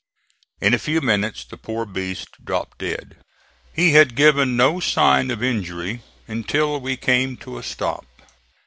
In a few minutes the poor beast dropped dead; he had given no sign of injury until we came to a stop.